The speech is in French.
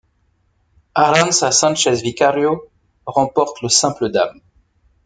Arantxa Sánchez Vicario remporte le simple dames.